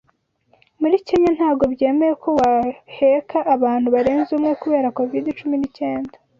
Muri Kenya ntago byemewe ko waheka abantu barenze umwe kubera covid cumi n'icyenda